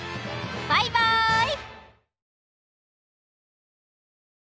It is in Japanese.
バイバイ！